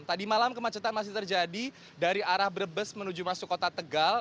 tadi malam kemacetan masih terjadi dari arah brebes menuju masuk kota tegal